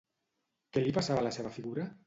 Què li passava a la seva figura?